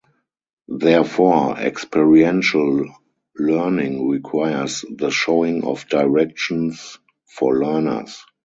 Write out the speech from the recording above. Therefore, experiential learning requires the showing of directions for learners.